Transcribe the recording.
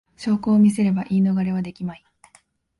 証拠を見せれば言い逃れはできまい